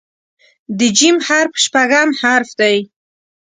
د "ج" حرف شپږم حرف دی.